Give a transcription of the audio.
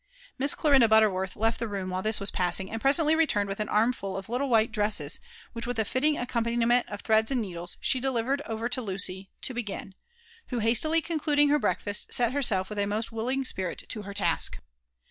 Miss Clarinda Bulterworlh left tbe room while Ihis was passing, and presently rettjrned with an armful of little white dresses, which, with a fitting accompaniment of threads and needles, she delivered over to Lucy *' to begin ; who, hastily concluding her breakfast, set herself with a most willing spirit lo her task.